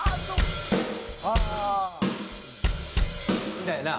みたいな。